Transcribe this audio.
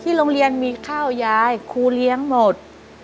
โรงเรียนมีข้าวยายครูเลี้ยงหมด